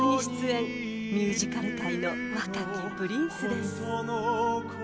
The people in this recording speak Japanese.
［ミュージカル界の若きプリンスです］